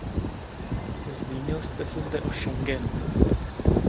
Zmínil jste se zde o Schengenu.